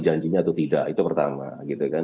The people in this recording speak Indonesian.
janjinya atau tidak itu pertama gitu kan